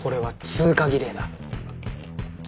通過儀礼？